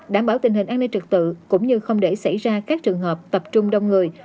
đảm bảo tình hình an ninh trật tự cũng như không để xảy ra các trường hợp tập trung đông người